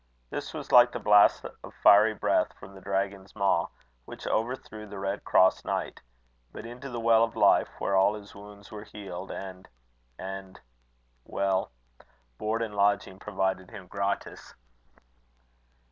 This was like the blast of fiery breath from the dragon's maw, which overthrew the Red cross knight but into the well of life, where all his wounds were healed, and and well board and lodging provided him gratis.